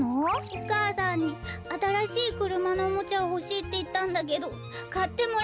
お母さんにあたらしいくるまのおもちゃをほしいっていったんだけどかってもらえなかったんだ。